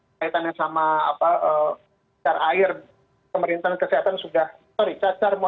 itu yang kaitannya juga salah satunya adalah adanya terjadinya interaksi antara orang yang infeksi dengan orang yang tidak gitu